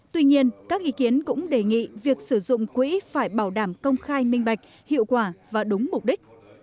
tuy nhiên các ý kiến cũng đề nghị việc sử dụng quỹ phải bảo đảm công khai minh bạch hiệu quả và đúng mục đích